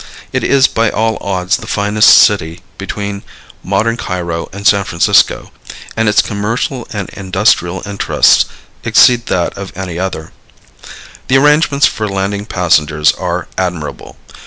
It is by all odds the finest city between modern Cairo and San Francisco, and its commercial and industrial interests exceed that of any other. The arrangements for landing passengers are admirable.